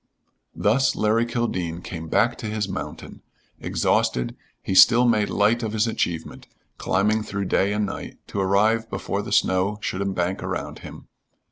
Thus Larry Kildene came back to his mountain. Exhausted, he still made light of his achievement climbing through day and night to arrive before the snow should embank around him.